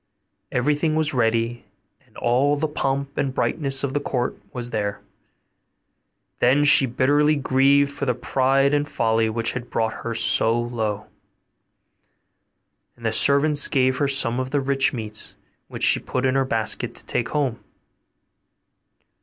Everything was ready, and all the pomp and brightness of the court was there. Then she bitterly grieved for the pride and folly which had brought her so low. And the servants gave her some of the rich meats, which she put into her basket to take home.